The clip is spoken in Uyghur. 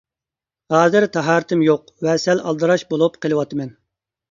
ھازىر تاھارىتىم يوق ۋە سەل ئالدىراش بولۇپ قېلىۋاتىمەن.